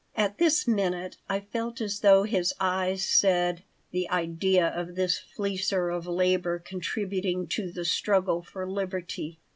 At this minute I felt as though his eyes said, "The idea of this fleecer of labor contributing to the struggle for liberty!"